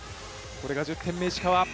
これが１０点目、石川。